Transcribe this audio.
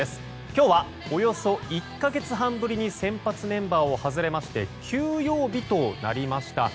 今日はおよそ１か月半ぶりに先発メンバーを外れまして休養日となりました。